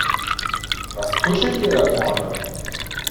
Was tuschelt ihr da vorne?